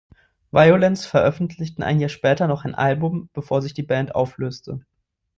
Vio-lence veröffentlichten ein Jahr später noch ein Album, bevor sich die Band auflöste.